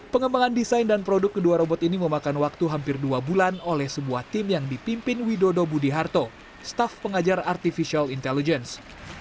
pengembangan desain dan produk kedua robot ini memakan waktu hampir dua bulan oleh sebuah tim yang dipimpin widodo budi harto staff pengajar artificial intelligence